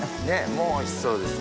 もうおいしそうです。